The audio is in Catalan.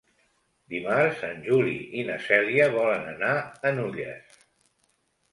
Dimarts en Juli i na Cèlia volen anar a Nulles.